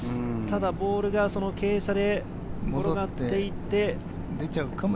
ボールが傾斜で転がっていって。